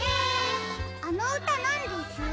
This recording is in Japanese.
あのうたなんです？